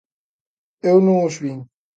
Eu non os vin.